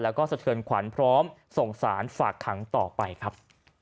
แล้วก็สะเทือนขวัญพร้อมส่งสารฝากขังต่อไปครับ